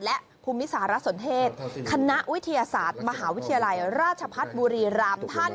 และภูมิสารสนเทศคณะวิทยาศาสตร์มหาวิทยาลัยราชพัฒน์บุรีรำท่าน